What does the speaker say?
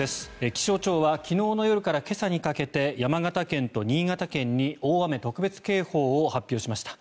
気象庁は昨日の夜から今朝にかけて山形県と新潟県に大雨特別警報を発表しました。